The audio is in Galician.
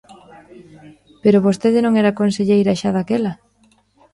Pero ¿vostede non era conselleira xa daquela?